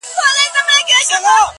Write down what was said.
• ښکاري زرکه د خپل قام په ځان بلا وه -